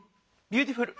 ビューティフル！